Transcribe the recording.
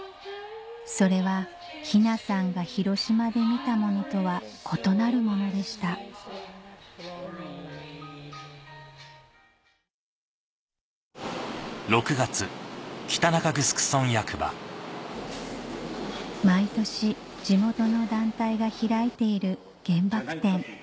それは雛さんが広島で見たものとは異なるものでした毎年地元の団体が開いている原爆展